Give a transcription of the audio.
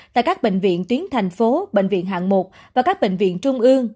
tại các bệnh viện tuyến thành phố bệnh viện hạng một và các bệnh viện trung ương